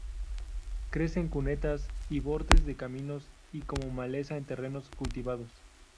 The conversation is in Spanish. Crece en cunetas y bordes de caminos, y como maleza en terrenos cultivados.